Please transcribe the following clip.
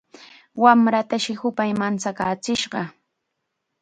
Wamratash hupay manchakaachishqa.